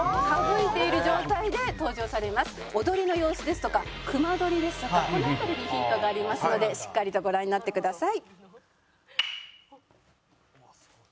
踊りの様子ですとか隈取ですとかこの辺りにヒントがありますのでしっかりとご覧になってください。